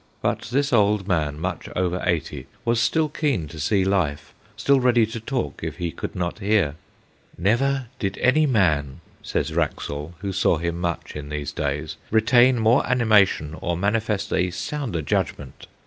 But this old man, much over eighty, was still keen to see life, still ready to talk if he could not hear. ' Never did any man,' says Wraxall, who saw him much in these days, ' retain more animation, or manifest a sounder judgment.